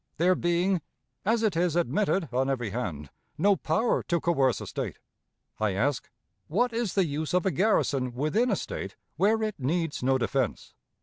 There being, as it is admitted on every hand, no power to coerce a State, I ask what is the use of a garrison within a State where it needs no defense?